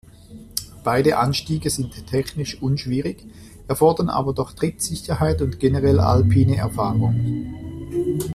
Beide Anstiege sind technisch unschwierig, erfordern aber doch Trittsicherheit und generell alpine Erfahrung.